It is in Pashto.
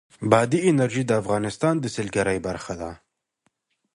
بادي انرژي د افغانستان د سیلګرۍ برخه ده.